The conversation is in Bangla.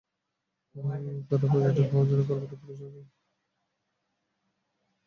পেরেরার পজিটিভ হওয়ার খবরটি পরশু জানা গেলেও পরীক্ষাটা হয়েছিল মাস পাঁচেক আগে।